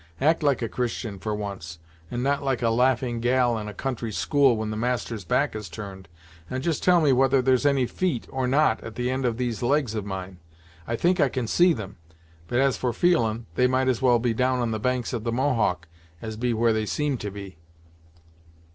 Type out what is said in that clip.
Act like a Christian, for once, and not like a laughing gal in a country school when the master's back is turned, and just tell me whether there's any feet, or not, at the end of these legs of mine. I think I can see them, but as for feelin' they might as well be down on the banks of the Mohawk, as be where they seem to be."